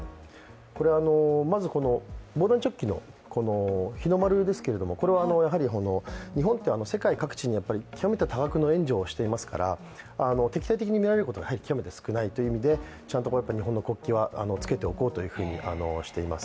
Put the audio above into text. この防弾チョッキの日の丸ですけどもこれはやはり日本って世界各地に極めて多額な援助をしていますから敵対的にみられることが極めて少ないということでちゃんと日本の国旗はつけておこうということはしています。